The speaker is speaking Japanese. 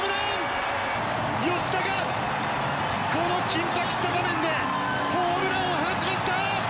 吉田がこの緊迫した場面でホームランを放ちました！